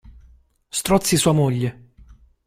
Strozzi sua moglie.